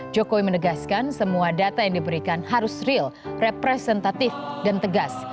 jokowi menegaskan semua data yang diberikan harus real representatif dan tegas